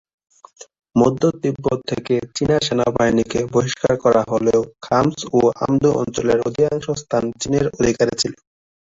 মধ্য তিব্বত থেকে চীনা সেনাবাহিনীকে বহিষ্কার করা হলেও খাম্স ও আমদো অঞ্চলের অধিকাংশ স্থান চীনের অধিকারে ছিল।